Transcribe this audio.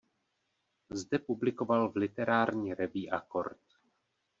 Zde publikoval v literární revui "Akord".